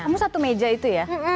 kamu satu meja itu ya